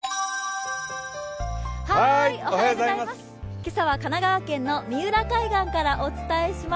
今朝は神奈川県の三浦海岸からお伝えします。